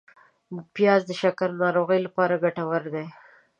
پیاز د شکر ناروغۍ لپاره ګټور دی